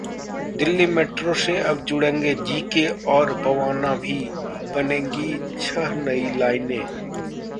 Delhi metro से अब जुड़ेंगे जीके और बवाना भी, बनेंगी छह नई लाइनें